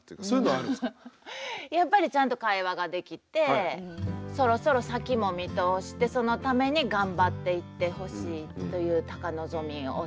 やっぱりちゃんと会話ができてそろそろ先も見通してそのために頑張っていってほしいという高望みをしております。